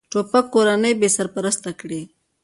توپک کورنۍ بېسرپرسته کړي.